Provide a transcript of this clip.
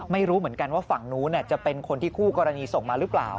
ไม่รู้เหมือนกันว่าฝั่งนู้นจะเป็นคนที่คู่กรณีส่งมาหรือเปล่า